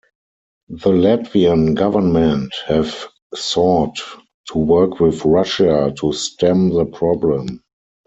The Latvian government have sought to work with Russia to stem the problem.